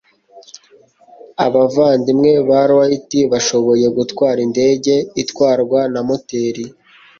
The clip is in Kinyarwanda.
abavandimwe ba wright bashoboye gutwara indege itwarwa na moteri